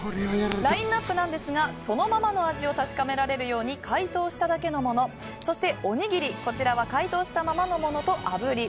ラインアップですがそのままの味を確かめられるように解凍しただけのものそして、おにぎり、こちらは解凍しただけのものとあぶり。